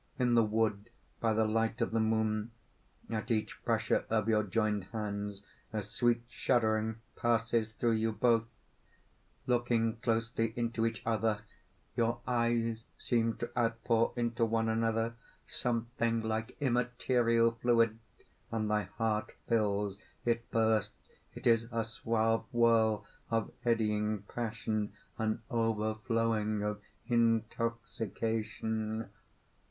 in the wood by the light of the moon? At each pressure of your joined hands, a sweet shuddering passes through you both, looking closely into each other your eyes seem to outpour into one another something like immaterial fluid; and thy heart fills: it bursts: it is a suave whirl of eddying passion, an overflowing of intoxication...."